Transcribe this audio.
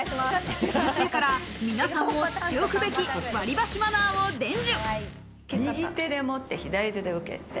先生から皆さんも知っておくべき割り箸マナーを伝授。